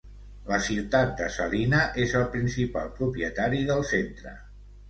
La ciutat de Salina és el principal propietari del centre.